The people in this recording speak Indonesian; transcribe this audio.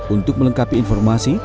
untuk melengkapi informasi